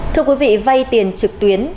thưa quý vị vay tiền trực tuyến